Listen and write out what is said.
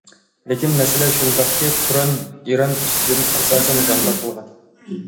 لېكىن مەسىلە شۇنداقكى، تۇران ئىران ئۈستىدىن ئاساسەن غەلىبە قىلغان.